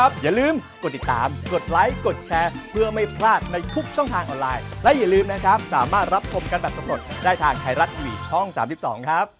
เบอร์โทรติดต่อ๐๘๖๐๔๙๑๖๗๒ครับ